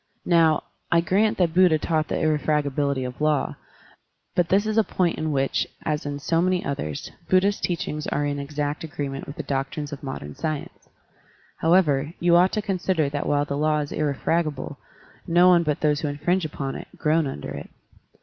*' Now, I grant that Buddha taught the irrefragability of law, but this is a point in which, as in so many others, Buddha's teachings are in exact agreement with the doctrines of modem science. However, you ought to consider that while the law is irrefra gable, no one but those who infringe upon it groan under it.